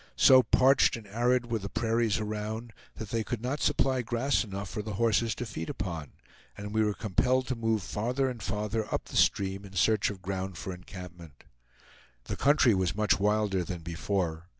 So parched and arid were the prairies around that they could not supply grass enough for the horses to feed upon, and we were compelled to move farther and farther up the stream in search of ground for encampment. The country was much wilder than before.